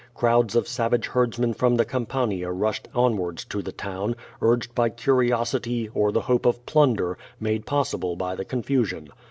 Crowds of savage herdsmen from the Cam pania rushed onwards to the town, urged by curiosity, or the hope of plunder, made possible by the confusion.